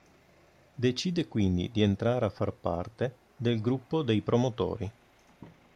Decide quindi di entrare a far parte del gruppo dei promotori.